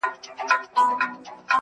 مینه چي مو وڅاڅي له ټولو اندامو.